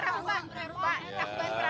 pak tanggungan perang pak